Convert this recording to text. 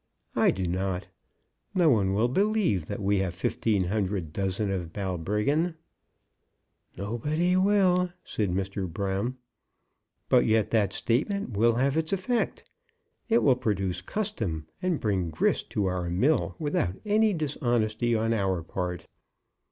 I do not. No one will believe that we have fifteen hundred dozen of Balbriggan." "Nobody will," said Mr. Brown. "But yet that statement will have its effect. It will produce custom, and bring grist to our mill without any dishonesty on our part.